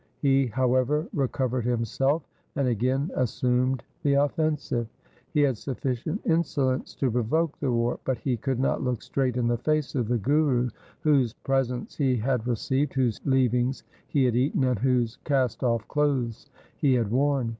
He, however, recovered himself and again assumed the offensive. He had sufficient insolence to provoke the war, but he could not look straight in the face of the Guru whose presents he had received, whose leavings he had eaten, and whose cast off clothes he had worn.